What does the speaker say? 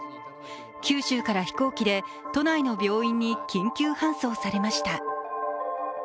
九州から飛行機で都内の病院に緊急搬送されました。